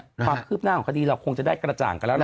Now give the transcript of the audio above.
ถ้าเกิดคุกหน้าของคติเราคงจะได้กระจ่างกันแล้ว